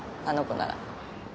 あの子なら。